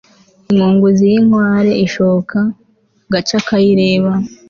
inkunguzi y'inkware ishoka agaca kayireba